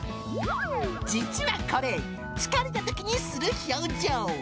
実はこれ、疲れたときにする表情。